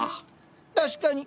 確かに。